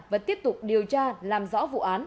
vẫn tiếp tục điều tra làm rõ vụ án